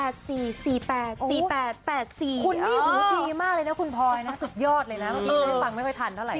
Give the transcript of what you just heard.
คุณนี่หูดีมากเลยนะคุณพลอยนะสุดยอดเลยนะเมื่อกี้ฉันฟังไม่ค่อยทันเท่าไห